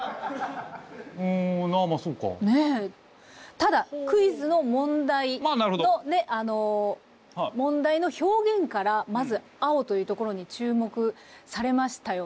ただクイズの問題の問題の表現からまず青というところに注目されましたよね。